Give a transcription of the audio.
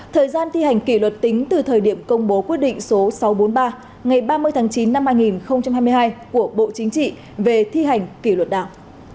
thời gian thi hành kỷ luật tính từ thời điểm công bố quyết định số sáu trăm bốn mươi ba ngày ba mươi tháng chín năm hai nghìn hai mươi hai của bộ chính trị về thi hành kỷ luật đảng